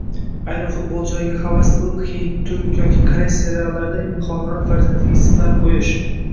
Ayrimlar futbolchilarga havas qilib, hind, turk yoki koreys seriallaridan “ilhomlanib” farzandiga ismlar qo‘yish